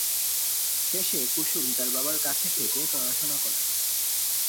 শেষে কুসুম তার বাবার কাছে থেকে পড়াশুনা করে।